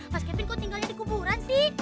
mas kevin kok tinggalnya di kuburan sih